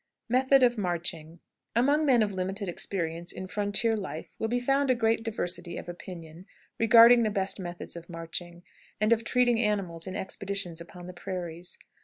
METHOD OF MARCHING. Among men of limited experience in frontier life will be found a great diversity of opinion regarding the best methods of marching, and of treating animals in expeditions upon the prairies.